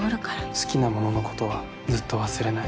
好きなもののことは忘れない。